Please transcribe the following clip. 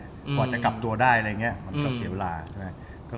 กว่าจะกลับตัวได้อะไรอย่างนี้มันก็เสียเวลาใช่ไหม